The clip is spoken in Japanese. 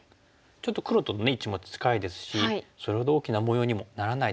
ちょっと黒との位置も近いですしそれほど大きな模様にもならないですよね。